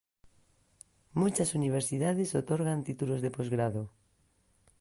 Muchas universidades otorgan títulos de posgrado.